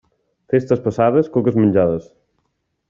Festes passades, coques menjades.